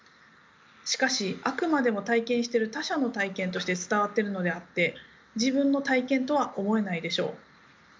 しかしあくまでも体験している他者の体験として伝わっているのであって自分の体験とは思えないでしょう。